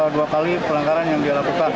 dua kali pelanggaran yang dilakukan